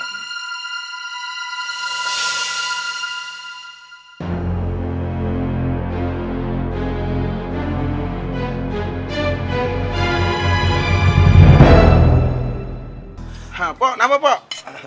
nah pak apa pak